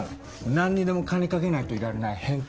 何にでも金賭けないといられない変態。